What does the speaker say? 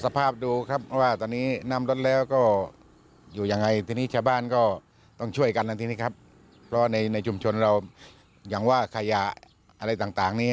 เพราะว่าในชุมชนเราอย่างค่ายะอะไรต่างนี้